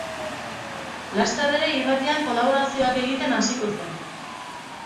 Laster ere irratian kolaborazioak egiten hasiko zen.